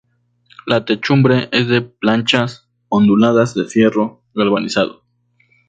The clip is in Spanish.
La techumbre es de planchas onduladas de fierro galvanizado.